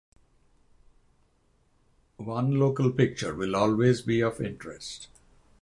One local picture will always be of interest.